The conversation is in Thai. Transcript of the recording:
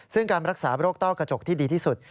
ซึ่งการรักษาโรคต้อกระจกที่ดีที่สุด